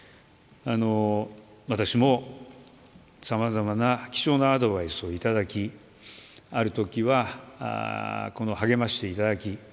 私もさまざまな貴重なアドバイスをいただきあるときは励ましていただき